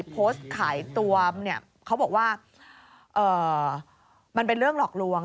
โพสต์ขายตัวเนี่ยเขาบอกว่ามันเป็นเรื่องหลอกลวง